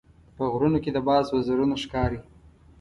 په غرونو کې د باز وزرونه ښکاري.